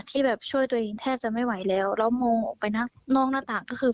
ที่แบบช่วยตัวเองแทบจะไม่ไหวแล้วแล้วมองออกไปนอกหน้าต่างก็คือ